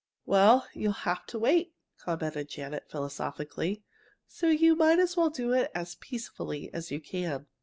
"Well, you'll have to wait," commented Janet, philosophically, "so you might as well do it as peacefully as you can.